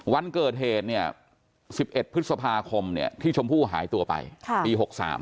วันเกิดเทศ๑๑พฤษภาคมที่ชมผู้หายตัวไปปี๖๓